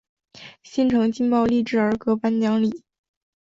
新城劲爆励志儿歌颁奖礼。